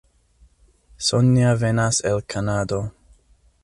Sonja venas el Kanado.